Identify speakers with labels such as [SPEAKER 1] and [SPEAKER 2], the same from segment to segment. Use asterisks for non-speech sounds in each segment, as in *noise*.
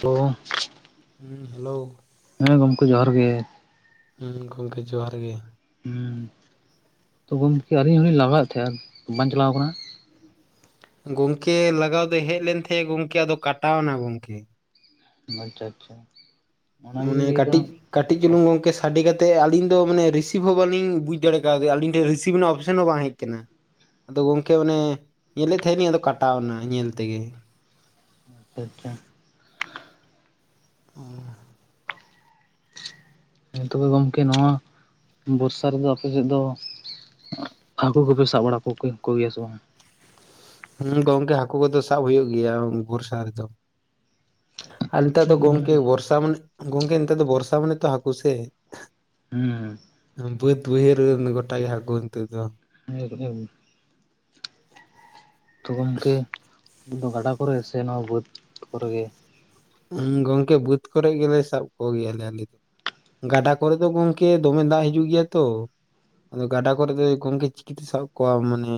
[SPEAKER 1] ᱛᱚ *inaudible*
[SPEAKER 2] ᱦᱩᱸ ᱦᱮᱞᱳ
[SPEAKER 1] ᱦᱮᱸ ᱜᱚᱢᱠᱮ ᱡᱚᱦᱟᱨ ᱜᱮ ᱾
[SPEAKER 2] ᱦᱩᱸ ᱜᱚᱢᱠᱮ ᱡᱚᱦᱟᱨ ᱜᱮ ᱾
[SPEAKER 1] ᱦᱩᱸ, ᱛᱚ ᱜᱚᱝᱠᱮ ᱟᱹᱞᱤᱧ ᱦᱚᱞᱤᱧ ᱞᱟᱜᱟᱣᱮᱫ ᱛᱟᱦᱮᱸᱱᱟ ᱵᱟᱝ ᱪᱟᱞᱟᱣ ᱟᱠᱟᱱᱟ?
[SPEAKER 2] ᱜᱚᱝᱠᱮ ᱞᱟᱜᱟᱣ ᱫᱚᱭ ᱦᱮᱡ ᱞᱮᱱ ᱛᱟᱦᱮᱸᱜ ᱜᱚᱝᱠᱮ ᱟᱫᱚ ᱠᱟᱴᱟᱣ ᱮᱱᱟ ᱜᱚᱝᱠᱮ ᱾
[SPEAKER 1] ᱟᱪᱪᱷᱟ ᱟᱪᱪᱷᱟ ᱾
[SPEAKER 2] ᱢᱚᱱᱮ ᱠᱟᱹᱴᱤᱡ ᱠᱟᱹᱴᱤᱡ ᱪᱩᱞᱩᱝ ᱜᱚᱝᱠᱮ ᱥᱟᱰᱮ ᱠᱟᱛᱮ ᱟᱞᱤᱧ ᱫᱚ ᱢᱟᱱᱮ ᱨᱤᱥᱤᱵᱷ ᱦᱚᱸ ᱵᱟᱞᱤᱧ ᱵᱩᱡᱽ ᱫᱟᱲᱮ ᱠᱟᱣᱫᱮᱭᱟ ᱟᱞᱤᱧ ᱴᱷᱮᱱ ᱨᱤᱥᱤᱵᱷ ᱨᱮᱱᱟᱜ ᱚᱯᱥᱮᱱ ᱦᱚᱸ ᱵᱟᱝ ᱦᱮᱡ ᱠᱟᱱᱟ ᱟᱫᱚ ᱜᱚᱝᱠᱮ ᱚᱱᱮ ᱧᱮᱞᱮᱫ ᱛᱟᱦᱮᱸᱱᱟᱤᱧ ᱟᱫᱚ ᱠᱟᱴᱟᱣ ᱮᱱᱟ, ᱧᱮᱞ ᱛᱮᱜᱮ ᱾
[SPEAKER 1] ᱟᱪᱪᱷᱟ ᱟᱪᱪᱷᱟ ᱾
[SPEAKER 2] *unintelligible*
[SPEAKER 1] ᱮᱸ ᱛᱚᱵᱮ ᱜᱚᱢᱠᱮ ᱱᱚᱣᱟ ᱵᱚᱨᱥᱟ ᱨᱮᱫᱚ ᱟᱯᱮᱥᱮᱫ ᱫᱚ ᱦᱟᱹᱠᱩ ᱠᱚᱯᱮ ᱥᱟᱵ ᱵᱟᱲᱟ ᱠᱚ ᱠᱚᱜᱮᱭᱟ ᱥᱮ ᱵᱟᱝ?
[SPEAKER 2] ᱦᱮᱸ ᱜᱚᱝᱠᱮ ᱦᱟᱹᱠᱩ ᱠᱚᱫᱚ ᱥᱟᱵ ᱦᱩᱭᱩᱜ ᱜᱮᱭᱟ ᱵᱚᱨᱥᱟ ᱨᱮᱫᱚ ᱾ ᱟᱨ ᱱᱮᱛᱟᱨ ᱫᱚ ᱜᱚᱢᱠᱮ ᱵᱚᱨᱥᱟ ᱢᱟᱱᱮ ᱜᱚᱢᱠᱮ ᱱᱮᱛᱟᱨ ᱫᱚ ᱵᱚᱨᱥᱟ ᱢᱟᱱᱮ ᱛᱚ ᱦᱟᱹᱠᱩ ᱥᱮ
[SPEAKER 1] ᱦᱮᱸ
[SPEAKER 2] ᱵᱟᱹᱫ ᱵᱟᱹᱭᱦᱟᱹᱨ ᱜᱚᱴᱟᱜᱮ ᱦᱟᱹᱠᱩ ᱱᱤᱛᱚᱜ ᱫᱚ
[SPEAKER 1] ᱦ *inaudible* ᱛᱚ ᱜᱚᱢᱠᱮ ᱫᱚ ᱜᱟᱰᱟ ᱠᱚᱨᱮ ᱥᱮ ᱱᱚᱣᱟ ᱵᱟᱹᱫᱽ ᱠᱚᱨᱮ ᱜᱮ
[SPEAKER 2] ᱜᱚᱝᱠᱮ ᱵᱟᱹᱫᱽ ᱠᱚᱨᱮ ᱜᱮᱞᱮ ᱥᱟᱵ ᱠᱚᱜᱮᱭᱟᱞᱮ ᱟᱞᱮ ᱫᱚ ᱜᱟᱰᱟ ᱠᱚᱨᱮ ᱫᱚ ᱜᱚᱝᱠᱮ ᱫᱚᱢᱮ ᱫᱟᱜ ᱦᱤᱡᱩᱜ ᱜᱮᱭᱟ ᱛᱚ ᱟᱫᱚ ᱜᱟᱰᱟ ᱠᱚᱨᱮ ᱫᱚ ᱜᱚᱝᱠᱮ ᱪᱤᱠᱤᱛᱮ ᱥᱟᱵ ᱠᱚᱣᱟ ᱢᱟᱱᱮ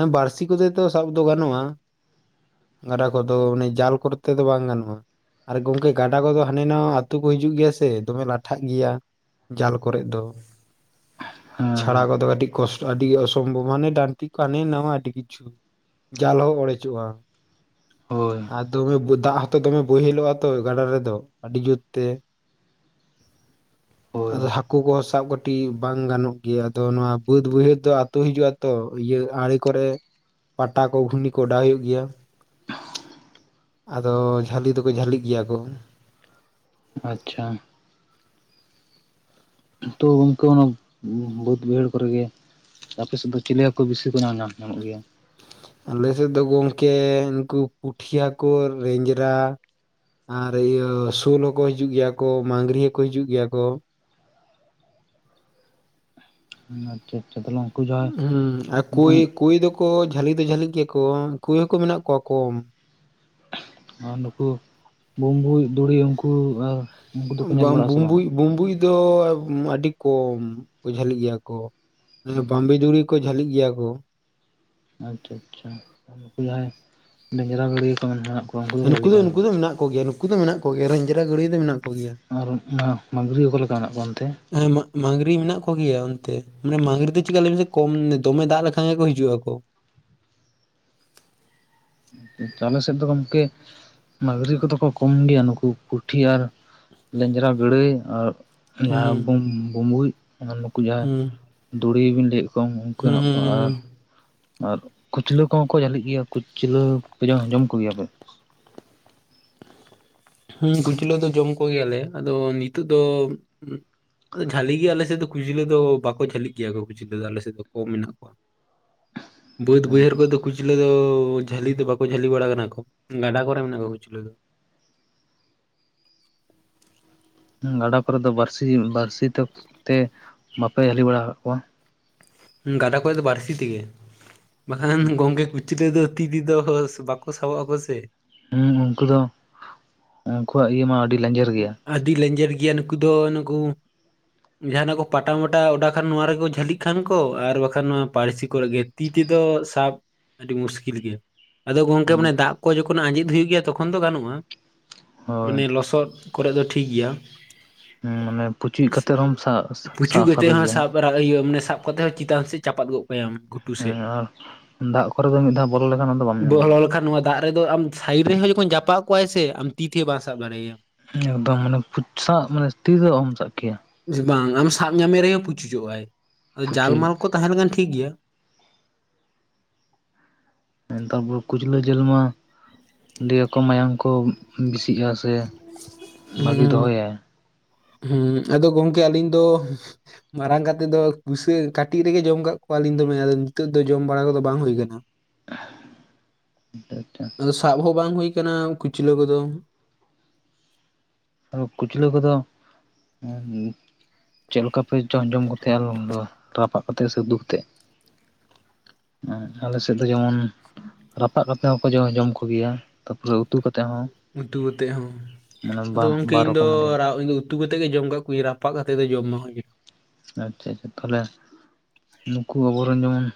[SPEAKER 2] ᱦᱮᱸ ᱵᱟᱹᱲᱥᱤ ᱠᱚᱛᱮ ᱛᱚ ᱥᱟᱵ ᱫᱚ ᱜᱟᱱᱚᱜᱼᱟ ᱜᱟᱰᱟ ᱠᱚᱫᱚ ᱢᱟᱱᱮ ᱡᱟᱞ ᱠᱚᱨᱮ ᱛᱮ ᱫᱚ ᱵᱟᱝ ᱜᱟᱱᱚᱜᱼᱟ ᱟᱨ ᱜᱚᱝᱠᱮ ᱜᱟᱰᱟ ᱠᱚᱫᱚ ᱦᱟᱱᱟ ᱱᱟᱣᱟ ᱟᱹᱛᱩ ᱠᱚ ᱦᱤᱡᱩᱜ ᱜᱮᱭᱟ ᱥᱮ ᱫᱚᱢᱮ ᱞᱟᱴᱷᱟᱜ ᱜᱮᱭᱟ ᱡᱟᱞ ᱠᱚᱨᱮᱫ ᱫᱚ
[SPEAKER 1] ᱦᱮᱸ
[SPEAKER 2] ᱪᱷᱟᱲᱟ ᱠᱚᱫᱚ ᱠᱟᱹᱴᱤ ᱠᱚᱥᱴᱚ ᱟᱹᱰᱤ ᱚᱥᱚᱢᱵᱷᱚᱵ ᱢᱟᱱᱮ ᱰᱟᱱᱴᱤ ᱠᱚ ᱦᱟᱱᱮ ᱱᱟᱣᱟ ᱟᱹᱰᱤ ᱠᱤᱪᱷᱩ ᱡᱟᱞ ᱦᱚᱸ ᱚᱲᱮᱡᱚᱜᱼᱟ
[SPEAKER 1] ᱦᱳᱭ
[SPEAKER 2] ᱟᱨ ᱫᱚᱢᱮ ᱫᱟᱜ ᱦᱚᱸᱛᱚ ᱫᱚᱢᱮ ᱵᱳᱦᱮᱞᱳᱜᱼᱟ ᱛᱚ ᱜᱟᱰᱟ ᱨᱮᱫᱚ ᱟᱹᱰᱤ ᱡᱳᱨ ᱛᱮ
[SPEAKER 1] ᱦᱳᱭ
[SPEAKER 2] ᱟᱫᱚ ᱦᱟᱹᱠᱩ ᱠᱚ ᱥᱟᱵ ᱠᱟᱹᱴᱤᱡ ᱵᱟᱝ ᱜᱟᱱᱚᱜ ᱜᱮᱭᱟ ᱟᱫᱚ ᱱᱚᱣᱟ ᱵᱟᱹᱫ ᱵᱟᱹᱭᱦᱟᱹᱲ ᱫᱚ ᱟᱛᱩ ᱦᱤᱡᱩᱜ-ᱟ ᱛᱚ ᱤᱭᱟᱹ ᱟᱲᱮ ᱠᱚᱨᱮ ᱯᱟᱴᱟ ᱠᱚ ᱜᱷᱩᱱᱤ ᱠᱚ ᱚᱰᱟᱣ ᱦᱩᱭᱩᱜ ᱜᱮᱭᱟ ᱟᱫᱚ ᱡᱷᱟᱞᱤ ᱫᱚᱠᱚ ᱡᱷᱟᱞᱤᱜ ᱜᱮᱭᱟ ᱠᱚ
[SPEAKER 1] ᱟᱪᱪᱷᱟ ᱛᱚ ᱜᱚᱢᱠᱮ ᱚᱱᱟ ᱵᱟᱹᱫᱽ ᱵᱟᱹᱭᱦᱟᱹᱲ ᱠᱚᱨᱮ ᱜᱮ ᱟᱯᱮ ᱥᱮᱫ ᱫᱚ ᱪᱤᱞᱤ ᱦᱟᱹᱠᱩ ᱵᱤᱥᱤ ᱠᱚ ᱧᱟᱢ ᱧᱟᱢᱚᱜ ᱜᱮᱭᱟ?
[SPEAKER 2] ᱟᱞᱮ ᱥᱮᱫ ᱫᱚ ᱜᱚᱢᱠᱮ ᱩᱱᱠᱩ ᱯᱩᱴᱷᱤ ᱦᱟᱠᱩ ᱨᱤᱧᱡᱽᱨᱟ ᱟᱨ ᱤᱭᱟᱹ ᱥᱳᱞ ᱦᱚᱸᱠᱚ ᱦᱤᱡᱩᱜ ᱜᱮᱭᱟ ᱠᱚ ᱢᱟᱹᱝᱜᱽᱨᱤ ᱦᱚᱸᱠᱚ ᱦᱤᱡᱩᱜ ᱜᱮᱭᱟ ᱠᱚ
[SPEAKER 1] *inaudible*
[SPEAKER 2] ᱦᱮᱸ ᱟᱨ ᱠᱳᱭ
[SPEAKER 1] ᱵᱩᱢ
[SPEAKER 2] ᱠᱳᱭ ᱫᱚᱠᱚ ᱡᱷᱟᱹᱞᱤ ᱫᱚ ᱡᱷᱟᱹᱞᱤᱜ ᱜᱮᱭᱟ ᱠᱚ ᱠᱳᱭ ᱦᱟᱠᱳ ᱢᱮᱱᱟᱜ ᱠᱚᱣᱟ ᱠᱚᱢ
[SPEAKER 1] ᱟᱨ ᱱᱩᱠᱩ ᱵᱩᱢᱵᱩᱡ ᱫᱩᱬᱤ ᱩᱱᱠᱩ ᱟᱨ
[SPEAKER 2] ᱵᱟᱝ ᱵᱩᱢᱵᱩᱡ ᱵᱩᱢᱵᱩᱡ ᱫᱚ ᱟᱹᱰᱤ ᱠᱚᱢ ᱠᱚ ᱡᱷᱟᱹᱞᱤᱜ ᱜᱮᱭᱟ ᱠᱚ ᱵᱟᱢᱵᱤ ᱫᱩᱲᱤ ᱠᱚ ᱡᱷᱟᱹᱞᱤᱜ ᱜᱮᱭᱟ ᱠᱚ
[SPEAKER 1] ᱟᱪᱪᱷᱟ ᱟᱪᱪᱷᱟ ᱡᱟᱦᱟᱸᱭ ᱞᱮᱡᱽᱨᱟ ᱜᱟᱹᱲᱭᱟᱹ ᱠᱚ ᱢᱮᱱᱟᱜᱼᱟ
[SPEAKER 2] ᱦᱮᱸ ᱱᱩᱠᱩ ᱫᱚ ᱩᱱᱠᱩ ᱫᱚ ᱢᱮᱱᱟᱜ ᱠᱚ ᱜᱮᱭᱟ ᱱᱩᱠᱩ ᱫᱚ ᱢᱮᱱᱟᱜ ᱠᱚ ᱜᱮᱭᱟ ᱨᱮᱧᱡᱮᱫ
[SPEAKER 1] ᱟᱨ ᱚᱱᱟ ᱢᱟᱹᱝᱜᱽᱨᱤ‌ ᱚᱠᱟ ᱞᱮᱠᱟ ᱢᱮᱱᱟᱜ ᱠᱚᱣᱟ ᱚᱱᱛᱮ
[SPEAKER 2] ᱦᱮᱸ ᱢᱟ‌ ᱢᱟᱹᱝᱜᱽᱨᱤ ᱢᱮᱱᱟᱜ ᱠᱚ ᱜᱮᱭᱟ ᱚᱱᱛᱮ ᱢᱟᱱᱮ ᱢᱟᱹᱝᱽᱨᱤ ᱫᱚ ᱪᱤᱠᱟ ᱞᱟᱹᱭ ᱢᱮᱥᱮ ᱠᱚᱢ ᱫᱚᱢᱮ ᱫᱟᱜ ᱞᱮᱠᱷᱟᱱ ᱜᱮᱠᱚ ᱦᱤᱡᱩᱜᱼᱟ ᱠᱚ
[SPEAKER 1] ᱟᱞᱮ ᱥᱮᱫ ᱫᱚ ᱜᱚᱢᱠᱮ ᱢᱟᱹᱝᱜᱽᱨᱤ ᱠᱚᱫᱚ ᱠᱚ ᱠᱚᱢ ᱜᱮᱭᱟ ᱱᱩᱠᱩ ᱯᱩᱴᱷᱤ ᱟᱨ ᱞᱮᱧᱡᱽᱨᱟ ᱜᱟᱹᱲᱟᱹᱭ ᱟᱨ
[SPEAKER 2] ᱦᱩᱸ
[SPEAKER 1] ᱡᱟᱦᱟᱸ ᱵᱩᱢ ᱵᱩᱸᱵᱩᱡ ᱱᱩᱠᱩ ᱡᱟᱦᱟᱸ
[SPEAKER 2] ᱦᱩᱸ
[SPEAKER 1] ᱫᱩᱲᱤᱵᱤᱱ ᱞᱟᱹᱭᱮᱫ ᱠᱚᱢ ᱩᱱᱠᱩ
[SPEAKER 2] ᱦᱩᱸ
[SPEAKER 1] ᱦᱮᱱᱟᱜ
[SPEAKER 2] ᱦᱩᱸ
[SPEAKER 1] ᱠᱚᱣᱟ
[SPEAKER 2] ᱦᱩᱸ
[SPEAKER 1] ᱟᱨ ᱟᱨ ᱠᱩᱪᱞᱟᱹ ᱠᱚᱦᱚᱸ ᱠᱚ ᱡᱷᱟᱹᱞᱤᱜ ᱜᱮᱭᱟ ᱠᱩᱸᱪᱞᱟᱹ ᱯᱮ ᱡᱚᱢ ᱠᱚ ᱜᱮᱭᱟ ᱯᱮ?
[SPEAKER 2] ᱦᱩᱸ ᱠᱩᱪᱞᱟᱹ ᱫᱚ ᱡᱚᱢ ᱠᱚ ᱜᱮᱭᱟ ᱞᱮ ᱟᱫᱚ ᱱᱤᱛᱚᱜ ᱫᱚ ᱟᱫᱚ ᱡᱷᱟᱹᱞᱤ ᱜᱮ ᱟᱞᱮ ᱥᱮᱫ ᱫᱚ ᱠᱷᱩᱪᱞᱟᱹ ᱫᱚ ᱵᱟᱠᱚ ᱡᱷᱟᱹᱞᱤᱜ ᱜᱮᱭᱟ ᱠᱚ ᱠᱷᱩᱪᱞᱟᱹ ᱫᱚ ᱟᱞᱮ ᱥᱮᱫ ᱫᱚ ᱠᱚᱢ ᱢᱮᱱᱟᱜ ᱠᱚᱣᱟ ᱵᱟᱹᱫᱽ ᱵᱟᱹᱭᱦᱟᱹᱲ ᱠᱚ ᱨᱮ ᱫᱚ ᱠᱩᱪᱞᱟᱹ ᱫᱚ ᱡᱷᱟᱹᱞᱤ ᱫᱚ ᱵᱟᱠᱚ ᱡᱷᱟᱹᱞᱤ ᱵᱟᱲᱟ ᱠᱟᱱᱟ ᱠᱚ ᱜᱟᱰᱟ ᱠᱚᱨᱮ ᱢᱮᱱᱟᱜ ᱠᱚᱣᱟ ᱠᱩᱪᱞᱟᱹ ᱫᱚ
[SPEAKER 1] ᱜᱟᱰᱟ ᱠᱚᱨᱮ ᱫᱚ ᱵᱟᱹᱲᱥᱤ ᱵᱟᱹᱲᱥᱤ ᱛᱮ ᱵᱟᱯᱮ ᱡᱷᱟᱹᱞᱤ ᱵᱟᱲᱟ ᱟᱠᱟᱫ ᱠᱚᱣᱟ?
[SPEAKER 2] ᱜᱟᱰᱟ ᱠᱚᱨᱮ ᱫᱚ ᱵᱟᱹᱲᱥᱤ ᱛᱮᱜᱮ ᱵᱟᱠᱷᱟᱱ ᱜᱚᱝᱠᱮ ᱠᱩᱸᱪ ᱠᱩᱪᱞᱟᱹ ᱫᱚ ᱛᱤ ᱛᱮᱫᱚ ᱵᱟᱠᱚ ᱥᱟᱵᱚ ᱟᱠᱚ ᱥᱮ
[SPEAKER 1] ᱦᱩᱸ ᱩᱱᱠᱩ ᱫᱚ ᱩᱱᱠᱩᱣᱟᱜ ᱤᱭᱟᱹ ᱢᱟ ᱟᱹᱰᱤ ᱞᱮᱧᱡᱮᱨ ᱜᱮᱭᱟ
[SPEAKER 2] ᱟᱹᱰᱤ ᱞᱮᱧᱡᱮᱨ ᱜᱮᱭᱟ ᱱᱩᱠᱩ ᱫᱚ ᱱᱩᱠᱩ ᱡᱟᱦᱟᱸᱱᱟᱜ ᱠᱚ ᱯᱟᱴᱟ ᱢᱟᱴᱟ ᱚᱰᱟ ᱠᱷᱟᱱ ᱱᱚᱣᱟ ᱨᱮᱠᱚ ᱡᱷᱟᱹᱞᱤᱜ ᱠᱟᱱ ᱠᱚ ᱟᱨ ᱵᱟᱠᱷᱟᱱ ᱱᱚᱣᱟ ᱵᱟᱹᱲᱥᱤ ᱠᱚᱨᱮ ᱜᱮ ᱛᱤ ᱛᱮᱫᱚ ᱥᱟᱵ ᱟᱹᱰᱤ ᱢᱩᱥᱠᱤᱞ ᱜᱮᱭᱟ ᱟᱫᱚ ᱜᱚᱝᱠᱮ
[SPEAKER 1] ᱦᱩᱸ
[SPEAKER 2] ᱢᱚᱱᱮ ᱫᱟᱜ ᱠᱚ ᱡᱚᱠᱷᱚᱱ ᱟᱸᱡᱮᱫ ᱦᱩᱭᱩᱜ ᱜᱮᱭᱟ ᱛᱚᱠᱷᱚᱱ ᱫᱚ ᱜᱟᱱᱚᱜᱼᱟ,
[SPEAKER 1] ᱦᱳᱭ
[SPEAKER 2] ᱢᱟᱱᱮ ᱞᱚᱥᱚᱫ ᱠᱚᱨᱮ ᱫᱚ ᱴᱷᱤᱠ ᱜᱮᱭᱟ
[SPEAKER 1] ᱦᱩᱸ ᱚᱱᱮ ᱯᱩᱪᱩᱡ ᱠᱟᱛᱮ ᱨᱮᱦᱚᱢ ᱥᱟᱵ ᱥᱟ-ᱥᱟᱵᱮ ᱜᱮᱭᱟ
[SPEAKER 2] ᱟᱨ ᱤᱭᱟᱹ ᱢᱟᱱᱮ ᱥᱟᱵ ᱠᱟᱛᱮᱫ ᱦᱚᱸ ᱪᱮᱛᱟᱱ ᱥᱮᱫ ᱪᱟᱯᱟᱫ ᱜᱚᱫ ᱠᱟᱭᱟᱢ ᱜᱷᱩᱴᱩ ᱥᱮᱫ
[SPEAKER 1] ᱟᱨ ᱫᱟᱜ ᱠᱚᱨᱮ ᱫᱚ ᱢᱤᱫ ᱫᱷᱟᱣ ᱵᱚᱞᱚ ᱞᱮᱠᱷᱟᱱ ᱟᱫᱚ ᱵᱟᱢ
[SPEAKER 2] ᱵᱚᱦᱚᱞ
[SPEAKER 1] ᱧᱟᱢᱮᱭᱟ
[SPEAKER 2] ᱞᱮᱠᱷᱟᱱ ᱱᱚᱣᱟ ᱫᱟᱜ ᱨᱮᱫᱚ ᱟᱢ ᱥᱟᱭᱤᱰ ᱨᱮᱦᱚᱸ ᱡᱚᱠᱷᱚᱱ ᱡᱟᱯᱟᱜ ᱠᱚᱜᱟᱭ ᱥᱮ ᱟᱢ ᱛᱤ ᱛᱮᱦᱚᱸ ᱵᱟᱢ ᱥᱟᱵ ᱫᱟᱲᱮᱣᱟᱭᱟᱢ
[SPEAKER 1] ᱮᱠᱫᱚᱢ ᱢᱟᱱᱮ ᱢᱟᱱᱮ ᱥᱟᱵ ᱛᱤᱛᱮᱫᱚ ᱵᱟᱢ ᱥᱟᱵ ᱠᱮᱭᱟ
[SPEAKER 2] ᱵᱟᱝ ᱟᱢ ᱥᱟᱵ ᱧᱟᱢᱮ ᱨᱮᱦᱚᱸ ᱯᱩᱪᱩᱪᱚᱜᱼᱟᱭ ᱟᱫᱚ ᱡᱟᱞ
[SPEAKER 1] ᱯᱩᱪᱩᱡ
[SPEAKER 2] ᱮᱢᱟᱱ ᱠᱚ ᱛᱟᱦᱮᱸ ᱞᱮᱱᱠᱷᱟᱱ ᱴᱷᱤᱠ ᱜᱮᱭᱟ
[SPEAKER 1] ᱮᱠᱫᱚᱢ ᱠᱩᱪᱞᱟᱹ ᱡᱤᱞ ᱢᱟ ᱞᱟᱹᱭ ᱟᱠᱚ ᱢᱟᱭᱟᱝ ᱠᱚ ᱵᱮᱥᱤᱜᱼᱟ ᱥᱮ ᱵᱷᱟᱜᱤ
[SPEAKER 2] ᱦᱩᱸ
[SPEAKER 1] ᱫᱚᱦᱚᱭᱟᱭ
[SPEAKER 2] ᱦᱩᱸ ᱟᱫᱚ ᱜᱚᱢᱠᱮ ᱟᱹᱞᱤᱧ ᱫᱚ ᱢᱟᱨᱟᱝ ᱠᱟᱛᱮᱫ ᱫᱚ ᱜᱩᱥᱟᱹ ᱠᱟᱹᱴᱤᱡ ᱨᱮᱜᱮ ᱡᱚᱢ ᱟᱠᱟᱜ ᱠᱚᱣᱟᱞᱤᱧ ᱫᱚᱢᱮ ᱟᱫᱚ ᱱᱤᱛᱚᱜ ᱫᱚ ᱡᱚᱢ ᱵᱟᱲᱟ ᱠᱚᱫᱚ ᱵᱟᱝ ᱦᱩᱭ ᱠᱟᱱᱟ *unintelligible*
[SPEAKER 1] *unintelligible*
[SPEAKER 2] ᱟᱫᱚ ᱥᱟᱵ ᱦᱚᱸ ᱵᱟᱝ ᱦᱩᱭ ᱟᱠᱟᱱᱟ ᱠᱩᱪᱞᱟᱹ ᱠᱚᱫᱚ
[SPEAKER 1] ᱟᱨ ᱠᱩᱪᱞᱟᱹ ᱠᱚᱫᱚ ᱪᱮᱫ ᱞᱮᱠᱟ ᱯᱮ ᱡᱚᱢ ᱡᱚᱢ ᱠᱚ ᱛᱟᱦᱮᱫ ᱟᱨ ᱨᱟᱯᱟᱜ ᱠᱟᱛᱮ ᱥᱮ ᱩᱛᱩ ᱠᱟᱛᱮᱜ? ᱟᱞᱮ ᱥᱮᱫ ᱫᱚ ᱡᱮᱢᱚᱱ ᱨᱟᱯᱟᱜ ᱠᱟᱛᱮ ᱦᱚᱸᱠᱚ ᱡᱚᱢ ᱠᱚ ᱜᱮᱭᱟ ᱛᱟᱯᱚᱨᱮ ᱩᱛᱩ ᱠᱟᱛᱮ ᱦᱚᱸ
[SPEAKER 2] ᱩᱛᱩ ᱠᱟᱛᱮᱫ ᱦᱚᱸ
[SPEAKER 1] ᱢᱟᱱᱮ
[SPEAKER 2] ᱟᱫᱚ
[SPEAKER 1] ᱵᱟᱦ
[SPEAKER 2] ᱜᱚᱝᱠᱮ ᱤᱧ ᱫᱚ ᱨᱟ ᱩᱛᱩ ᱠᱟᱛᱮᱫ ᱜᱮ ᱡᱚᱢ ᱠᱟᱜ ᱠᱩᱣᱟᱹᱧ ᱨᱟᱯᱟᱜ ᱠᱟ ᱠᱟᱛᱮᱫ ᱫᱚ ᱡᱚᱢ ᱵᱟᱝ ᱦᱩᱭᱩᱜᱼᱟ
[SPEAKER 1] ᱟᱪᱪᱷᱟ ᱟᱪᱪᱷᱟ ᱛᱟᱦᱚᱞᱮ ᱱᱩᱠᱩ ᱟᱵᱚᱨᱮᱱ ᱡᱮᱢᱚᱱ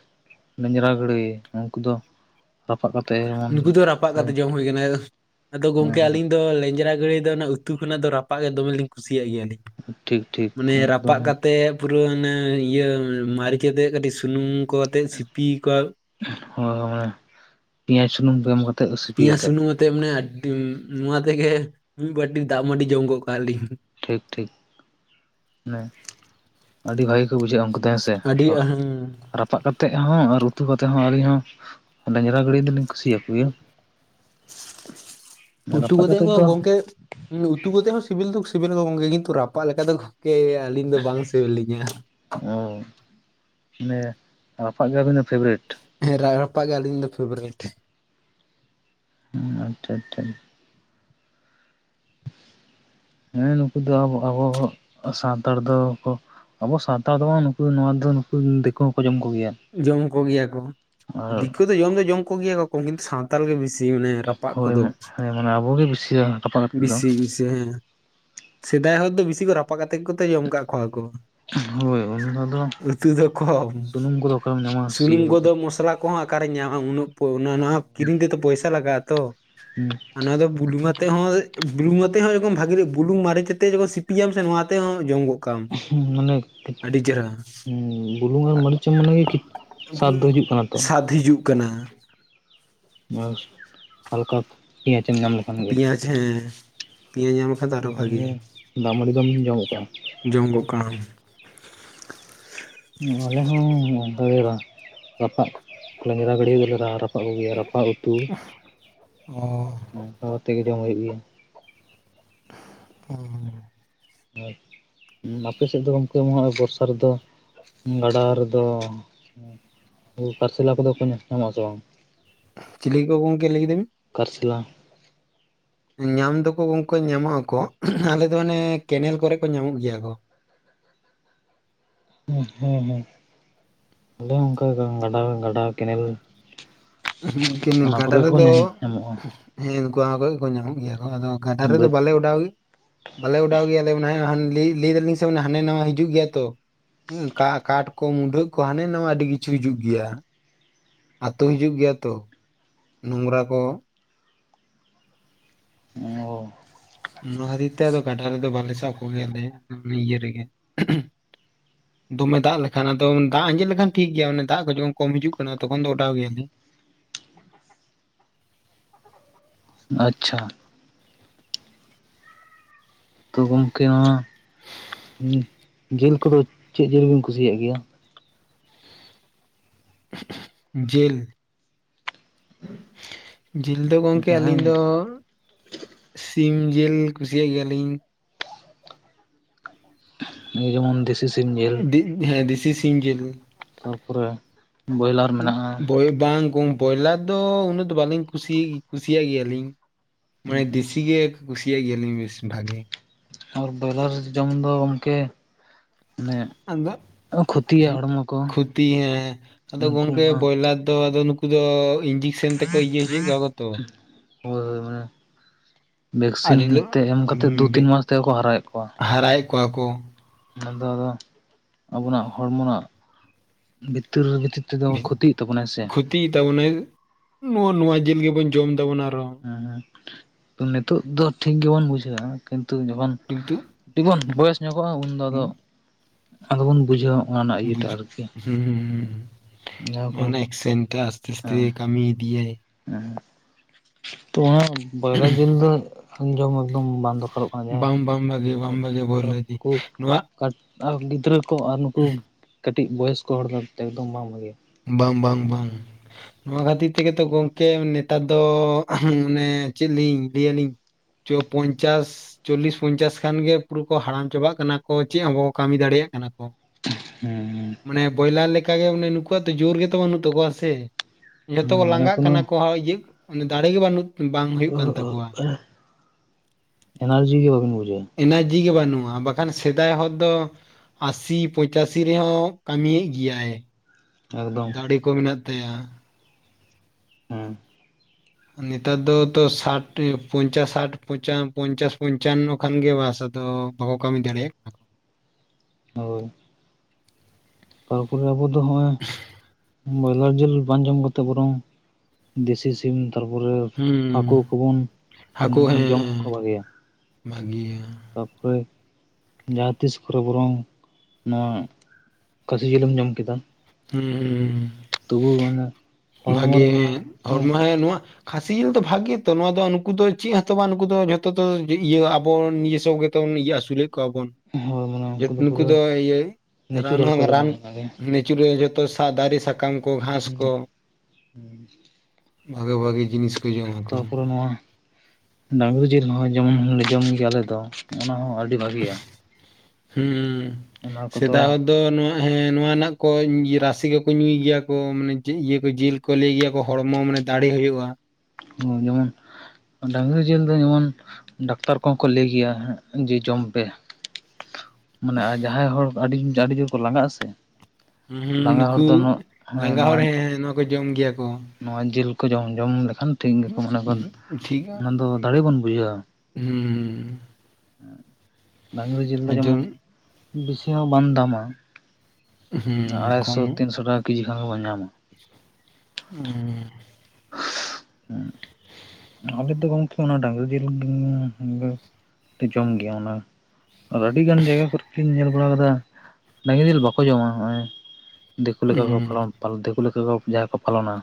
[SPEAKER 1] ᱞᱮᱸᱡᱽᱨᱟ ᱜᱟᱹᱲᱟᱹᱭ ᱩᱱᱠᱩ ᱫᱚ ᱨᱟᱯᱟᱜ ᱠᱟᱛᱮ
[SPEAKER 2] ᱱᱩᱠᱩ ᱫᱚ ᱨᱟᱯᱟᱜ ᱠᱟᱛᱮ ᱡᱚᱢ ᱦᱩᱭ ᱠᱟᱱᱟ ᱟᱫᱚ ᱜᱚᱢᱠᱮ ᱟᱹᱞᱤᱧ ᱟᱹᱞᱤᱧ ᱫᱚ ᱞᱮᱸᱡᱽᱨᱟ ᱜᱟᱹᱲᱟᱹᱭ ᱫᱚ ᱚᱱᱟ ᱩᱛᱩ ᱠᱷᱚᱱᱟᱜ ᱫᱚ ᱨᱟᱯᱟᱜ ᱜᱮ ᱫᱚᱢᱮ ᱞᱤᱧ ᱠᱩᱥᱤᱭᱟᱜ ᱜᱮᱭᱟᱞᱤᱧ
[SPEAKER 1] ᱴᱷᱤᱠ ᱴᱷᱤᱠ
[SPEAKER 2] ᱢᱟᱱᱮ
[SPEAKER 1] ᱩᱱᱠᱩ ᱫᱚ
[SPEAKER 2] ᱨᱟᱯᱟᱜ ᱠᱟᱛᱮ ᱯᱩᱨᱟᱹ ᱚᱱᱮ ᱤᱭᱟᱹ ᱢᱟᱨᱤᱪ ᱟᱛᱮᱫ ᱠᱟᱹᱴᱤᱡ ᱥᱩᱱᱩᱢ ᱠᱚ ᱟᱛᱮᱫ ᱥᱤᱯᱤ ᱠᱚᱣᱟ
[SPEAKER 1] ᱦᱳᱭ ᱦᱳᱭ ᱯᱮᱭᱟᱡ ᱥᱩᱱᱩᱢ ᱠᱚ ᱮᱢ ᱠᱟᱛᱮᱫ ᱥᱤᱯᱤ ᱠᱟᱛᱮᱫ
[SPEAKER 2] ᱛᱮ ᱢᱟᱱᱮ ᱱᱚᱣᱟ ᱛᱮᱜᱮ ᱢᱤᱫ ᱵᱟᱹᱴᱤ ᱫᱟᱜ ᱢᱟᱹᱰᱤ ᱡᱚᱢ ᱜᱚᱫ ᱠᱟᱜᱼᱟ ᱞᱤᱧ
[SPEAKER 1] ᱴᱷᱤᱠ ᱴᱷᱤᱠ ᱢᱟᱱᱮ ᱟᱹᱰᱤ ᱵᱷᱟᱜᱤ ᱠᱚ ᱵᱩᱡᱷᱟᱹᱜ-ᱟ ᱩᱱᱠᱩ ᱦᱮᱸᱥᱮ
[SPEAKER 2] ᱟᱹᱰᱤ
[SPEAKER 1] ᱨᱟᱯᱟᱜ ᱠᱟᱛᱮ ᱦᱚᱸ ᱟᱨ ᱩᱛᱩ ᱠᱟᱛᱮ ᱦᱚᱸ ᱟᱹᱞᱤᱧ ᱦᱚᱸ ᱞᱮᱸᱡᱽᱨᱟ ᱜᱟᱹᱲᱟᱹᱭ ᱫᱚᱞᱤᱧ ᱠᱩᱥᱤᱭᱟᱠᱚ ᱜᱮᱭᱟ
[SPEAKER 2] ᱩᱛᱩ
[SPEAKER 1] ᱨᱟᱯᱟᱜ
[SPEAKER 2] ᱠᱚᱛᱮ
[SPEAKER 1] ᱠᱟᱛᱮᱫ
[SPEAKER 2] ᱠᱚ
[SPEAKER 1] ᱫᱚ
[SPEAKER 2] ᱜᱚᱢᱠᱮ ᱦᱩᱸ ᱩᱛᱩ ᱠᱚᱛᱮᱫ ᱦᱚᱸ ᱥᱤᱵᱤᱞ ᱫᱚᱠᱚ ᱥᱤᱵᱤᱞᱟ ᱜᱚᱢᱠᱮ ᱠᱤᱱᱛᱩ ᱨᱟᱯᱟᱜ ᱞᱮᱠᱟ ᱫᱚ ᱜᱚᱢᱠᱮ ᱟᱹᱞᱤᱧ ᱫᱚ ᱵᱟᱝ ᱥᱤᱵᱤᱞ ᱞᱤᱧᱟᱹ
[SPEAKER 1] ᱚ ᱢᱟᱱᱮ ᱨᱟᱯᱟᱜ ᱜᱮ ᱟᱹᱵᱤᱱ ᱫᱚ ᱯᱷᱮᱵᱨᱮᱴ
[SPEAKER 2] ᱦᱮᱸ ᱨᱟᱨᱟᱯᱟᱜ ᱜᱮ ᱟᱹᱞᱤᱧ ᱫᱚ ᱯᱷᱮᱵᱟᱨᱮᱴ
[SPEAKER 1] ᱦᱚᱸ ᱟᱪᱪᱷᱟ ᱟᱪᱪᱷᱟ ᱦᱮᱸ ᱱᱩᱠᱩ ᱫᱚ ᱟᱵᱚ ᱥᱟᱱᱛᱟᱲ ᱫᱚᱠᱚ ᱟᱵᱚ ᱥᱟᱱᱛᱟᱲ ᱫᱚ ᱵᱟᱝ ᱱᱩᱠᱩ ᱱᱚᱣᱟ ᱫᱚ ᱱᱩᱠᱩ ᱫᱤᱼᱼ
[SPEAKER 2] ᱡᱚᱢ ᱠᱚᱜᱮᱭᱟ ᱠᱚ
[SPEAKER 1] ᱟᱨ
[SPEAKER 2] ᱫᱤᱠᱩ ᱫᱚ ᱡᱚᱢ ᱫᱚ ᱡᱚᱢ ᱠᱚᱜᱮᱭᱟ ᱠᱚ ᱠᱤᱱᱛᱩ ᱥᱟᱱᱼᱼ ᱼᱛᱟᱞ ᱜᱮ ᱵᱮᱥᱤ ᱢᱟᱱᱮ ᱨᱟᱯᱟᱜ
[SPEAKER 1] ᱦᱳᱭ
[SPEAKER 2] ᱠᱚᱫᱚ
[SPEAKER 1] ᱦᱮᱸ ᱢᱟᱱᱮ ᱟᱵᱚᱜᱮ ᱵᱮᱥᱤ ᱨᱟᱯᱟᱜ ᱠᱟᱛᱮᱫ ᱫᱚ
[SPEAKER 2] ᱵᱤᱥᱤ ᱵᱤᱥᱤ ᱦᱮᱸ ᱥᱮᱫᱟᱭ ᱦᱚᱲ ᱫᱚ ᱵᱤᱥᱤ ᱠᱚ ᱨᱟᱯᱟᱜ ᱠᱟᱛᱮ ᱜᱮᱛᱚ ᱡᱚᱢ ᱠᱟᱜ ᱠᱚᱣᱟ ᱠᱚ
[SPEAKER 1] ᱦᱳᱭ ᱚᱱᱟ ᱫᱚ
[SPEAKER 2] ᱩᱛᱩ ᱫᱚ ᱠᱚᱢ
[SPEAKER 1] ᱥᱩᱱᱩᱢ ᱠᱚᱫᱚ ᱚᱠᱟᱨᱮᱢ ᱧᱟᱢᱟ ᱥᱤᱭᱟᱹ ᱠᱚᱫᱚ
[SPEAKER 2] ᱢᱚᱥᱞᱟ ᱠᱚᱦᱚᱸ ᱟᱠᱟᱨᱮᱢ ᱧᱟᱢᱟ ᱩᱱᱚᱠᱛᱚ ᱚᱱᱟ ᱚᱱᱟ ᱦᱚᱸ ᱠᱤᱨᱤᱧ ᱛᱮᱛᱚ ᱯᱚᱭᱥᱟ ᱞᱟᱜᱟᱜᱼᱟ ᱟᱛᱚ ᱟᱨ ᱱᱚᱣᱟ ᱫᱚ ᱵᱩᱞᱩᱝ ᱟᱛᱮᱫ ᱦᱚᱸ ᱵᱩᱞᱩᱝ ᱟᱛᱮᱫ ᱦᱚᱸ ᱮᱵᱚᱝ ᱵᱷᱟᱜᱤ ᱜᱮ ᱵᱩᱞᱩᱝ ᱢᱟᱹᱨᱤᱪ ᱟᱛᱮ ᱦᱚᱸ ᱥᱤᱯᱤᱭᱟᱢ ᱥᱮ ᱱᱚᱣᱟ ᱟᱛᱮᱦᱚᱸ ᱡᱚᱢ ᱜᱚᱜ ᱠᱟᱢ
[SPEAKER 1] ᱦᱩᱸ ᱢᱟᱱᱮ ᱛᱮ
[SPEAKER 2] ᱟᱹᱰᱤ ᱪᱮᱨᱦᱟ
[SPEAKER 1] ᱦᱩᱸ ᱵᱩᱞᱩᱝ ᱟᱨ ᱢᱟᱹᱨᱤᱪ ᱮᱢ ᱢᱟᱱᱮ ᱜᱮ ᱥᱟᱫ ᱫᱚ ᱦᱤᱡᱩᱜ ᱠᱟᱱᱟ ᱛᱚ
[SPEAKER 2] ᱥᱟᱫ ᱦᱤᱡᱩᱜ ᱠᱟᱱᱟ
[SPEAKER 1] ᱟᱨ ᱦᱟᱞᱠᱟ ᱯᱤᱭᱟᱸᱡ ᱮᱢ ᱧᱟᱢ ᱞᱮᱠᱷᱟᱱ ᱜᱮ
[SPEAKER 2] ᱯᱮᱸᱭᱟᱡᱽ ᱦᱮᱸ ᱯᱮᱸᱭᱟᱡᱽ ᱧᱟᱢ ᱞᱮᱠᱷᱟᱱ ᱫᱚ ᱟᱨᱚ ᱵᱷᱟᱜᱮᱭᱟ
[SPEAKER 1] *unintelligible* ᱫᱟᱜ ᱢᱟᱹᱲᱤ ᱫᱚᱢ ᱡᱚᱢ ᱠᱟᱜᱼᱟ
[SPEAKER 2] ᱡᱚᱢ ᱜᱚᱜ ᱠᱟᱜᱼᱟᱢ
[SPEAKER 1] ᱟᱞᱮ ᱦᱚᱸ ᱚᱝᱠᱟᱜᱮ ᱨᱟᱯᱟᱜ ᱞᱮᱧᱨᱟ ᱜᱟᱹᱲᱟᱹᱭ ᱫᱚᱞᱮ ᱨᱟᱯᱟᱜ ᱠᱚᱜᱮᱭᱟ ᱨᱟᱯᱟᱜ ᱩᱛᱩ
[SPEAKER 2] ᱚ
[SPEAKER 1] ᱚᱝᱠᱟ ᱠᱟᱛᱮ ᱜᱮ ᱡᱚᱢ ᱦᱩᱭᱩᱜ ᱜᱮᱭᱟ
[SPEAKER 2] ᱦᱩᱸ
[SPEAKER 1] ᱟᱨ ᱟᱯᱮ ᱥᱮᱫ ᱫᱚ ᱜᱚᱝᱠᱮ ᱱᱚᱜ-ᱚᱭ ᱵᱚᱨᱥᱟ ᱨᱮᱫᱚ ᱜᱟᱰᱟ ᱨᱮᱫᱚ ᱠᱟᱨᱥᱮᱞᱟ ᱠᱚᱫᱚ ᱠᱚ ᱧᱟᱢᱚᱜ ᱟᱥᱮ ᱵᱟᱝ
[SPEAKER 2] ᱪᱤᱞᱤᱠᱚ ᱠᱚ ᱜᱚᱝᱠᱮ ᱞᱟᱹᱭ ᱠᱮᱫᱟᱵᱤᱱ
[SPEAKER 1] ᱠᱟᱨᱥᱞᱟ
[SPEAKER 2] ᱧᱟᱢ ᱫᱚᱠᱚ ᱜᱚᱝᱠᱮ ᱧᱟᱢᱚᱜ ᱟᱠᱚ ᱟᱞᱮ ᱫᱚ ᱚᱱᱮ ᱠᱮᱱᱮᱞ ᱠᱚᱨᱮ ᱠᱚ ᱧᱟᱢᱚᱜ ᱜᱮᱭᱟ ᱠᱚ
[SPEAKER 1] ᱦᱩᱸ ᱦᱩᱸ ᱟᱞᱮ ᱦᱚᱸ ᱚᱱᱠᱟ ᱜᱟᱰᱟ ᱜᱟᱰᱟ ᱠᱮᱱᱮᱞ
[SPEAKER 2] ᱠᱮᱱᱮᱞ
[SPEAKER 1] ᱚᱱᱟ
[SPEAKER 2] ᱜᱟᱰᱟ
[SPEAKER 1] ᱠᱚᱨᱮ ᱠᱚ
[SPEAKER 2] ᱨᱮᱫᱚ
[SPEAKER 1] ᱧᱟᱢᱚᱜᱼᱟ
[SPEAKER 2] ᱦᱮᱸ ᱩᱱᱠᱩ ᱚᱱᱟ ᱠᱚᱨᱮ ᱠᱚ ᱧᱟᱢᱚᱜ ᱜᱮᱭᱟ ᱠᱚ ᱟᱫᱚ ᱜᱟᱰᱟ ᱨᱮᱫᱚ
[SPEAKER 1] ᱵᱟᱹᱫᱽ
[SPEAKER 2] ᱵᱟᱞᱮ ᱚᱰᱟᱣ ᱜᱮᱭᱟ ᱵᱟᱞᱮ ᱚᱰᱟᱣ ᱜᱮᱭᱟᱞᱮ ᱢᱟᱱᱮ ᱞᱟᱹᱭ ᱞᱟᱹᱭ ᱫᱟᱞᱤᱧ ᱥᱮ ᱢᱟᱱᱮ ᱦᱟᱱᱟ ᱱᱟᱣᱟ ᱦᱤᱡᱩᱜ ᱜᱮᱭᱟ ᱛᱚ ᱠᱟ ᱠᱟᱴ ᱠᱚ ᱢᱩᱰᱷᱟᱹᱜ ᱠᱚ ᱦᱟᱱᱮ ᱱᱟᱣᱟ ᱟᱹᱰᱤ ᱠᱤᱪᱷᱩ ᱦᱤᱡᱩᱜ ᱜᱮᱭᱟ ᱟᱛᱳ ᱦᱤᱡᱩᱜ ᱜᱮᱭᱟ ᱛᱚ ᱱᱚᱝᱨᱟ ᱠᱚ
[SPEAKER 1] ᱚ
[SPEAKER 2] ᱚᱱᱟ ᱠᱷᱟᱹᱛᱤᱨ ᱛᱮ ᱟᱫᱚ ᱜᱟᱰᱟ ᱨᱮᱫᱚ ᱵᱟᱞᱮ ᱥᱟᱵ ᱠᱚᱜᱮᱭᱟᱞᱮ ᱤᱭᱟᱹ ᱨᱮᱜᱮ ᱫᱚᱢᱮ ᱫᱟᱜ ᱞᱮᱠᱷᱟᱱ ᱟᱫᱚ ᱫᱟᱜ ᱟᱸᱡᱮᱫ ᱞᱮᱠᱷᱟᱱ ᱴᱷᱤᱠ ᱜᱮᱭᱟ ᱚᱱᱮ ᱫᱟᱜ ᱠᱚ ᱡᱚᱠᱷᱚᱱ ᱠᱚᱢ ᱦᱤᱡᱩᱜ ᱠᱟᱱᱟ ᱛᱚᱠᱷᱚᱱ ᱫᱚ ᱚᱰᱟᱣ ᱜᱮᱭᱟᱞᱮ ᱾
[SPEAKER 1] ᱟᱪᱪᱷᱟ ᱛᱚ ᱜᱚᱝᱠᱮ ᱱᱚᱣᱟ ᱡᱮᱞ ᱠᱚᱫᱚ ᱪᱮᱫ ᱡᱮᱞ ᱵᱮᱱ ᱠᱩᱥᱤᱭᱟᱜ ᱜᱮᱭᱟ?
[SPEAKER 2] ᱡᱮᱞ ᱡᱤᱞ ᱫᱚ ᱜᱚᱝᱠᱮ ᱟᱹᱞᱤᱧ ᱫᱚ
[SPEAKER 1] ᱦᱮᱸ
[SPEAKER 2] ᱥᱤᱢ ᱡᱮᱹᱞ ᱠᱩᱥᱤᱭᱟᱜ ᱜᱤᱭᱟᱞᱤᱧ
[SPEAKER 1] ᱱᱤᱭᱟᱹ ᱡᱮᱢᱚᱱ ᱫᱮᱥ
[SPEAKER 2] ᱦᱮ ᱫᱤᱥᱤ ᱥᱤᱢ ᱡᱮᱞ
[SPEAKER 1] ᱛᱟᱨᱯᱚᱨᱮ ᱵᱚᱭᱞᱟᱨ ᱢᱮᱱᱟᱜᱼᱟ
[SPEAKER 2] ᱵᱳᱭ ᱵᱟᱝ ᱠᱚᱢ ᱵᱚᱭᱞᱟᱨ ᱫᱚ ᱩᱱᱟᱹᱜ ᱫᱚ ᱵᱟᱞᱤᱧ ᱠᱩᱥᱤ ᱠᱩᱥᱤᱭᱟᱜ ᱜᱤᱭᱟᱞᱤᱧ ᱢᱟᱱᱮ ᱫᱮᱥᱤ ᱜᱮ ᱠᱩᱥᱤᱭᱟᱜ ᱜᱮᱞᱤᱧ ᱵᱮᱥ ᱵᱷᱟᱜᱮ
[SPEAKER 1] ᱟᱨ ᱵᱚᱭᱞᱟᱨ ᱡᱚᱢ ᱫᱚ ᱜᱚᱝᱠᱮ
[SPEAKER 2] ᱟᱫᱚ
[SPEAKER 1] ᱠᱷᱚᱛᱤᱭᱟ ᱦᱚᱲᱢᱚ ᱠᱚ
[SPEAKER 2] ᱠᱷᱩᱛᱤ ᱦᱮᱸ ᱟᱫᱚ
[SPEAKER 1] ᱩᱱᱠᱩ
[SPEAKER 2] ᱜᱚᱝᱠᱮ
[SPEAKER 1] ᱢᱟ
[SPEAKER 2] ᱵᱚᱭᱞᱟᱨ ᱫᱚ ᱟᱫᱚ ᱱᱩ ᱠᱩ ᱫᱚ ᱤᱧᱡᱤᱠᱥᱮᱱ ᱛᱮᱠᱚ ᱤᱭᱟᱹ ᱦᱚᱪᱚᱭᱮᱜ ᱠᱚᱣᱟ ᱠᱚ ᱛᱚ
[SPEAKER 1] ᱦᱳᱭ ᱢᱟᱱᱮ ᱵᱷᱮᱠᱥᱤᱱ
[SPEAKER 2] ᱟᱹᱰᱤ ᱞᱚ
[SPEAKER 1] ᱛᱮ ᱮᱢ ᱠᱟᱛᱮᱫ ᱫᱩ ᱛᱤᱱ ᱢᱟᱥ ᱛᱮᱜᱮ ᱠᱚ ᱦᱟᱨᱟᱭᱮᱜ ᱠᱚᱣᱟ ᱾
[SPEAKER 2] ᱦᱟᱨᱟᱭᱮᱫ ᱠᱚᱣᱟ ᱠᱚ ᱾
[SPEAKER 1] ᱚᱱᱟ ᱫᱚ ᱟᱫᱚ ᱟᱵᱚᱱᱟᱜ ᱦᱚᱲᱢᱚᱱᱟᱜ ᱵᱷᱤᱛᱟᱹᱨ ᱨᱮᱜᱮ ᱴᱷᱤᱠ ᱫᱚ ᱠᱷᱚᱛᱤᱭᱮᱜ ᱛᱟᱵᱚᱱᱟ ᱦᱮᱸ ᱥᱮ
[SPEAKER 2] ᱛᱤ ᱛᱟᱵᱚᱱᱟᱭ ᱱᱚᱣᱟ ᱱᱚᱣᱟ ᱡᱤᱞ ᱜᱮᱵᱚᱱ ᱡᱚᱢ ᱫᱟᱵᱚᱱ ᱟᱨᱚ
[SPEAKER 1] ᱦᱩ ᱛᱚ ᱱᱤᱛᱳᱜ ᱫᱚ ᱴᱷᱤᱠ ᱜᱮᱵᱚᱱ ᱵᱩᱡᱷᱟᱹᱜᱼᱟ ᱠᱤᱱᱛᱩ ᱡᱚᱵᱟᱱ
[SPEAKER 2] ᱠᱤᱱᱛᱩᱜ
[SPEAKER 1] ᱰᱤᱵᱚᱱ ᱵᱚᱭᱮᱥ ᱧᱚᱜᱚᱜᱼᱟ ᱩᱱᱫᱚ ᱟᱫᱚ ᱟᱫᱚ ᱵᱚᱱ ᱵᱩᱡᱷᱟᱹᱣᱟ ᱚᱱᱟ ᱱᱟ ᱤᱭᱟᱹᱴᱟᱜ ᱟᱨᱠᱤ ᱾
[SPEAKER 2] ᱦᱩ ᱦᱩ ᱦᱩᱦᱩᱢ ᱢᱟᱱᱮ ᱮᱠᱥᱮᱱᱴᱟᱜ ᱟᱥᱛᱮ ᱟᱥᱛᱮ
[SPEAKER 1] ᱦᱮᱸ
[SPEAKER 2] ᱠᱟᱢᱤ ᱤᱫᱤᱭᱟᱭ ᱾
[SPEAKER 1] ᱦᱮᱸ ᱛᱚ ᱚᱱᱟ ᱵᱚᱭᱲᱟ ᱡᱤᱞ ᱫᱚᱭ ᱟᱧᱡᱚᱢ ᱮᱠᱫᱚᱢ ᱵᱟᱝ ᱫᱚᱨᱠᱟᱨᱚᱜ ᱠᱟᱱᱟ ᱡᱟᱦᱟᱭ
[SPEAKER 2] ᱵᱟᱝ ᱵᱟᱝ ᱵᱷᱟᱜᱮ ᱵᱟᱝ ᱵᱷᱟᱜᱮ ᱵᱚᱞ
[SPEAKER 1] ᱟᱨ
[SPEAKER 2] ᱤᱫᱤ ᱱᱚᱣᱟ
[SPEAKER 1] *unintelligible* ᱠᱟᱡ ᱨ ᱟ ᱜᱤᱫᱽᱨᱟᱹ ᱠᱚ ᱟᱨ ᱱᱩᱠᱩ ᱠᱟᱹᱴᱤᱡ ᱵᱚᱭᱮᱥᱠᱚ ᱦᱚᱲ ᱞᱟᱜᱤᱫ ᱛᱮ ᱮᱠᱫᱚᱢ ᱵᱟᱝ ᱵᱷᱟᱹᱜᱮᱭᱟ ᱾
[SPEAKER 2] ᱵᱟᱝ ᱵᱟᱝ ᱵᱟᱝ ᱱᱚᱣᱟ ᱠᱷᱟᱹᱛᱤᱨ ᱛᱮᱜᱮ ᱛᱚ ᱜᱚᱝᱠᱮ ᱱᱮᱛᱟᱨ ᱫᱚ ᱢᱚᱱᱮ ᱪᱮᱫ ᱞᱤᱧ ᱞᱟᱹᱭ ᱟᱹᱞᱤᱧ ᱪᱚ ᱯᱚᱧᱪᱟᱥ ᱪᱚᱞᱞᱤᱥ ᱯᱚᱧᱪᱟᱥ ᱠᱷᱟᱱ ᱜᱮ ᱯᱩᱨᱟᱹ ᱠᱚ ᱦᱟᱲᱟᱢ ᱪᱟᱵᱟᱜ ᱠᱟᱱᱟ ᱠᱚ ᱪᱮᱫ ᱦᱚᱸ ᱵᱟᱠᱚ ᱠᱟᱹᱢᱤ ᱫᱟᱲᱮᱭᱟᱜ ᱠᱟᱱᱟ ᱠᱚ ᱾
[SPEAKER 1] ᱦᱮᱸ ᱦᱮᱸ
[SPEAKER 2] ᱢᱟᱱᱮ ᱵᱚᱭᱞᱟᱨ ᱞᱮᱠᱟᱜᱮ ᱢᱟᱱᱮ ᱱᱩᱠᱩᱣᱟᱜ ᱫᱚ ᱡᱳᱨ ᱜᱮᱛᱚ ᱵᱟᱹᱱᱩᱜ ᱛᱟᱠᱚᱣᱟ ᱥᱮ ᱾
[SPEAKER 1] ᱦᱩᱸ
[SPEAKER 2] ᱡᱚᱛᱚ ᱠᱚ
[SPEAKER 1] ᱢᱟᱱᱮ
[SPEAKER 2] ᱞᱟᱸᱜᱟᱜ
[SPEAKER 1] ᱠᱳᱱᱳ
[SPEAKER 2] ᱠᱟᱱᱟ ᱠᱚ ᱦᱟᱣ ᱤᱭᱟᱹᱜ ᱚᱱᱮ ᱫᱟᱲᱮᱹᱜᱮ ᱵᱟᱹᱱᱩᱜ ᱵᱟᱝ ᱦᱩᱭᱩᱜ
[SPEAKER 1] ᱳ
[SPEAKER 2] ᱠᱟᱱ
[SPEAKER 1] ᱳ
[SPEAKER 2] ᱛᱟᱠᱚᱣᱟ
[SPEAKER 1] ᱮᱦ ᱮᱱᱟᱨᱡᱤ ᱜᱮ ᱵᱟᱹᱵᱤᱱ ᱵᱩᱡᱷᱟᱹᱣᱟ ᱾
[SPEAKER 2] ᱮᱱᱟᱡᱤ ᱜᱮ ᱵᱟᱹᱱᱩᱜᱼᱟ ᱵᱟᱠᱷᱟᱱ ᱥᱮᱫᱟᱭ ᱦᱚᱫᱽ ᱫᱚ ᱟᱥᱤ ᱯᱚᱸᱪᱟᱥᱤ ᱨᱮᱦᱚᱸ ᱠᱟᱹᱢᱤᱭᱮᱜ ᱜᱤᱭᱟᱭ ᱾
[SPEAKER 1] ᱮᱠᱫᱚᱢ
[SPEAKER 2] ᱫᱟᱲᱮ ᱠᱚ ᱢᱮᱱᱟᱜ ᱛᱟᱭᱟ ᱾
[SPEAKER 1] ᱦᱮᱸ
[SPEAKER 2] ᱱᱮᱛᱟᱫ ᱫᱚ ᱛᱚ ᱥᱟᱴ ᱯᱚᱧᱪᱟᱥ ᱥᱟᱴ ᱯᱚᱸᱪᱟ ᱯᱚᱧᱪᱟᱥ ᱯᱚᱧᱪᱟᱱᱱᱚ ᱠᱷᱟᱱᱜᱮ ᱵᱟᱥ ᱟᱫᱚ ᱵᱟᱠᱚ ᱠᱟᱹᱢᱤ ᱫᱟᱲᱮᱭᱟᱜ ᱠᱟᱱᱟ ᱾
[SPEAKER 1] ᱦᱳᱭ ᱛᱟᱨᱯᱚᱨᱮ ᱟᱵᱚ ᱫᱚ ᱦᱚᱸᱜᱼᱚᱭ ᱵᱚᱭᱞᱟᱨ ᱡᱮᱹᱞ ᱵᱟᱝ ᱡᱚᱢ ᱠᱟᱛᱮ ᱵᱚᱨᱚᱝ ᱫᱮᱹᱥᱤ ᱥᱤᱢ ᱛᱟᱨᱯᱚᱨᱮ ᱦᱟᱹᱠᱳ
[SPEAKER 2] ᱦᱩᱸ
[SPEAKER 1] ᱠᱚᱵᱚᱱ ᱡᱚᱢ ᱠᱚ ᱵᱷᱟᱹᱜᱮᱭᱟ ᱾
[SPEAKER 2] ᱵᱷᱟᱹᱜᱤᱭᱟ
[SPEAKER 1] ᱛᱟᱯᱚᱨᱮ ᱡᱟᱦᱟᱸ ᱛᱤᱥ ᱠᱚᱨᱮ ᱵᱚᱨᱚᱝ ᱱᱚᱣᱟ ᱠᱟᱹᱥᱤ ᱡᱮᱹᱞᱮᱢ ᱡᱚᱢ ᱠᱮᱫᱟ ᱾
[SPEAKER 2] ᱦᱩ ᱦᱩ
[SPEAKER 1] ᱢᱟᱱᱮ ᱦᱚᱲᱢᱚ
[SPEAKER 2] ᱵᱷᱟᱜᱮ
[SPEAKER 1] ᱨᱮ ᱢᱟᱱᱮ
[SPEAKER 2] ᱦᱚᱲᱢᱚ ᱦᱮᱸ ᱱᱚᱣᱟ ᱠᱷᱟᱹᱥᱤ ᱡᱤᱞ ᱫᱚ ᱵᱷᱟᱜᱤ ᱛᱚ ᱱᱚᱣᱟ ᱫᱚ ᱩᱱᱠᱩ ᱫᱚ ᱪᱮᱫ ᱦᱚᱛᱚ ᱵᱟᱝ ᱱᱩᱠᱩ ᱫᱚ ᱡᱷᱚᱛᱚ ᱫᱚ ᱤᱭᱟᱹ ᱟᱵᱚ ᱱᱤᱡᱮᱹ ᱥᱚᱵᱽ ᱛᱚᱝ ᱱᱤᱡᱮᱹ ᱟᱹᱥᱩᱞᱮᱜ ᱠᱚᱣᱟ ᱵᱚᱱ
[SPEAKER 1] ᱦᱳᱭ ᱢᱟᱱᱮ ᱩᱱᱠᱩ
[SPEAKER 2] ᱡᱮᱹᱛ ᱱᱩᱠᱩ
[SPEAKER 1] ᱯᱩᱨᱟᱹ
[SPEAKER 2] ᱫᱚ ᱤᱭᱟᱹᱭ ᱨᱟᱱ ᱦᱚᱝ ᱨᱟᱱ
[SPEAKER 1] ᱟ
[SPEAKER 2] ᱯᱨᱤᱪᱩᱨᱮ ᱡᱚᱛᱚ ᱥᱟ ᱫᱟᱨᱮ ᱥᱟᱠᱟᱢ ᱠᱚ ᱜᱷᱟᱥ ᱠᱚ
[SPEAKER 1] ᱜᱮ
[SPEAKER 2] ᱵᱷᱟᱜᱤ ᱵᱷᱟᱜᱤ ᱡᱤᱱᱤᱥ ᱠᱚ ᱡᱚᱢᱟᱠᱚ
[SPEAKER 1] ᱛᱟᱯᱚᱨᱮ ᱱᱚᱣᱟ ᱰᱟᱝᱨᱤ ᱡᱤᱞ ᱦᱚᱸ ᱡᱮᱢᱚᱱᱞ ᱞᱮ ᱡᱚᱢ ᱜᱮᱭᱟ ᱟᱞᱮ ᱫᱚ ᱚᱱᱟ ᱦᱚᱸ ᱟᱹᱰᱤ ᱵᱷᱟᱜᱭᱟ
[SPEAKER 2] ᱦᱩᱸ ᱥᱮᱴ
[SPEAKER 1] ᱠᱚᱫᱚ
[SPEAKER 2] ᱫᱚ ᱱᱚᱣᱟ ᱦᱮᱸ ᱱᱚᱣᱟ ᱨᱮᱱᱟᱜ ᱠᱚ ᱨᱟᱥᱮ ᱠᱚᱠᱚ ᱧᱩᱭ ᱜᱮᱭᱟ ᱠᱚ ᱢᱟᱱᱮ ᱤᱭᱟᱹ ᱠᱚ ᱡᱤᱞ ᱠᱟᱹᱞᱤ ᱜᱮᱭᱟ ᱠᱚ ᱦᱚᱲᱢᱚ ᱢᱟᱱᱮ ᱫᱟᱲᱮ ᱦᱩᱭᱩᱜᱼᱟ
[SPEAKER 1] ᱡᱮᱢᱚᱱ ᱰᱟᱝᱨᱤ ᱡᱤᱞ ᱫᱚ ᱡᱮᱢᱚᱱ ᱰᱟᱠᱛᱟᱨ ᱠᱚᱦᱚᱸ ᱠᱚ ᱞᱟᱹᱭ ᱜᱮᱭᱟ ᱡᱮ ᱡᱚᱢ ᱯᱮ
[SPEAKER 2] *inaudible*
[SPEAKER 1] ᱢᱟᱱᱮ ᱡᱟᱦᱟᱸᱭ ᱦᱚᱲ ᱟᱹᱰᱤᱳ ᱟᱹᱰᱤ ᱡᱳᱨ ᱠᱚ ᱞᱟᱜᱟᱜ ᱟᱥᱮ
[SPEAKER 2] ᱦᱩᱸ ᱦᱩᱸ
[SPEAKER 1] ᱞᱟᱸᱜᱟ ᱦᱚᱲ
[SPEAKER 2] ᱱᱩᱠᱩ
[SPEAKER 1] ᱫᱚ
[SPEAKER 2] ᱞᱟᱸᱜᱟ
[SPEAKER 1] ᱱᱚᱣᱟ
[SPEAKER 2] ᱦᱚᱲ ᱦᱮᱸᱸ ᱱᱚᱶᱟ ᱠᱚ ᱡᱚᱢ ᱜᱮᱭᱟ ᱠᱚ
[SPEAKER 1] ᱱᱚᱣᱟ ᱡᱤᱞ ᱠᱚ ᱡᱚᱢ ᱡᱚᱢ ᱞᱮᱠᱷᱟᱱ ᱴᱷᱤᱠ ᱜᱮᱠᱚ ᱢᱟᱱᱮ ᱠᱚ
[SPEAKER 2] ᱴᱷᱤᱠᱟ
[SPEAKER 1] ᱚᱱᱟ ᱫᱚ ᱫᱟᱲᱮ ᱵᱚᱱ ᱵᱩᱡᱷᱟᱹᱣᱟ
[SPEAKER 2] ᱦᱩᱸ ᱦᱸ
[SPEAKER 1] ᱰᱟᱝᱨᱤ ᱡᱤᱞ ᱫᱚ ᱡᱮᱢᱚᱱ
[SPEAKER 2] ᱦᱚᱡᱚᱢ
[SPEAKER 1] ᱵᱮᱥᱤ ᱦᱚᱸ ᱵᱟᱝᱢ ᱫᱟᱢᱟ
[SPEAKER 2] ᱦᱩᱸ
[SPEAKER 1] ᱟᱲᱟᱭᱥᱚ ᱛᱤᱱᱥᱚ ᱴᱟᱠᱟ ᱠᱮᱡᱤ ᱠᱷᱟᱱ ᱜᱮᱵᱚᱱ ᱧᱟᱢᱟ
[SPEAKER 2] ᱦᱮᱸ
[SPEAKER 1] ᱦᱮᱸ ᱟᱞᱮ ᱫᱚ ᱜᱠ ᱚᱱᱟ ᱰᱟᱝᱨᱤ ᱡᱤᱞ ᱡᱚᱢ ᱜᱮᱭᱟ ᱚᱱᱟ ᱟᱹᱰᱤ ᱜᱟᱱ ᱡᱟᱭᱜᱟ ᱠᱚᱨᱮ ᱠᱤᱱ ᱧᱮᱞ ᱵᱟᱲᱟ ᱠᱟᱫᱟ ᱰᱜᱮ ᱧᱮᱞ ᱵᱟᱠᱚ ᱡᱚᱢᱟᱜ ᱫᱤᱠᱩ ᱞᱮᱠᱟ ᱠᱚ
[SPEAKER 2] ᱦᱩᱸ
[SPEAKER 1] ᱯᱟᱞᱚᱱ ᱫᱤᱠᱩ ᱞᱮᱠᱟ ᱠᱚ ᱡᱟᱦᱟᱸ ᱠᱚ ᱯᱟᱞᱚᱱᱟ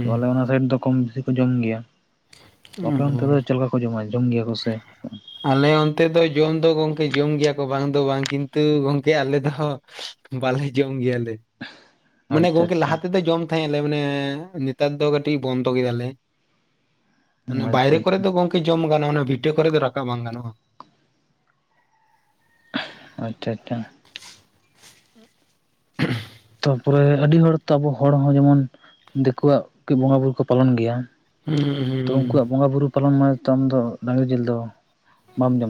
[SPEAKER 1] ᱛᱚ ᱟᱞᱮ ᱚᱱᱟ ᱥᱟᱭᱤᱴ ᱫᱚ ᱠᱚᱢ ᱵᱮᱥᱤ ᱠᱚ ᱡᱚᱢ ᱜᱮᱭᱟ ᱟᱯᱮ ᱚᱱᱛᱮ
[SPEAKER 2] ᱦᱩᱸ
[SPEAKER 1] ᱫᱚ ᱪᱮᱫ ᱞᱮᱠᱟ ᱠᱚ ᱡᱚᱢᱟ ᱡᱚᱢ ᱜᱮᱭᱟ ᱠᱚ ᱥᱮ
[SPEAKER 2] ᱟᱞᱮ ᱚᱱᱛᱮ ᱫᱚ ᱡᱚᱢ ᱫᱚ ᱜᱚᱢᱠᱮ ᱡᱚᱢ ᱜᱮᱭᱟ ᱠᱚ ᱵᱟᱝ ᱫᱚ ᱵᱟᱝ ᱠᱤᱱᱛᱩ ᱜᱚᱢᱠᱮ ᱟᱞᱮ ᱫᱚ ᱵᱟᱞᱮ ᱡᱚᱢ ᱜᱮᱭᱟᱞᱮ ᱢᱟᱱᱮ
[SPEAKER 1] ᱟᱪᱪᱷᱟ
[SPEAKER 2] ᱜᱚᱝᱠᱮ ᱞᱟᱦᱟ
[SPEAKER 1] ᱟᱪᱪᱷᱟ
[SPEAKER 2] ᱛᱮᱫᱚ ᱡᱚᱢ ᱞᱮ ᱢᱟᱱᱮ ᱱᱮᱴᱟᱨ ᱫᱚ ᱠᱟᱴᱤᱢ ᱵᱚᱱᱫᱳ ᱜᱮᱭᱟᱞᱮ ᱵᱟᱭᱨᱮ
[SPEAKER 1] ᱟᱪᱪᱷᱟ
[SPEAKER 2] ᱠᱚᱨᱮ ᱫᱚ ᱜᱚᱝᱠᱮ ᱡᱚᱢ ᱜᱟᱱᱚᱜᱼᱟ ᱚᱱᱟ ᱵᱷᱤᱴᱟᱹ ᱠᱚᱨᱮ ᱫᱚ ᱨᱟᱠᱟᱵ ᱵᱟᱝ ᱜᱟᱱᱚᱜᱼᱟ
[SPEAKER 1] ᱟᱪᱪᱷᱟ ᱟᱪᱪᱷᱟ
[SPEAKER 2] ᱟᱨ *unintelligible*
[SPEAKER 1] ᱛᱟᱯᱚᱨᱮ ᱟᱹᱰᱤ ᱦᱚᱲ ᱛᱚ ᱟᱵᱚ ᱦᱚᱲ ᱦᱚᱸ ᱡᱮᱢᱚᱱ ᱫᱤᱠᱩᱣᱟᱜ ᱵᱚᱸᱜᱟ ᱵᱩᱨᱩ ᱠᱚ ᱯᱟᱞᱚᱱ ᱜᱮᱭᱟ
[SPEAKER 2] ᱦᱩᱸᱩ ᱦᱩᱸ *unintelligible*
[SPEAKER 1] ᱛᱚ ᱩᱱᱠᱩᱣᱟᱜ ᱵᱚᱸᱜᱟ ᱵᱩᱨᱩ ᱯᱟᱞᱚᱱ ᱢ ᱟᱢ ᱫᱚ ᱰᱟᱝᱨᱤ ᱡᱤᱞ ᱫᱚ ᱵᱟᱢ ᱡᱚᱢ ᱫ